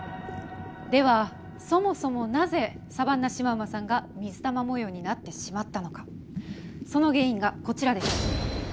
ではそもそもなぜサバンナシマウマさんが水玉模様になってしまったのかその原因がこちらです。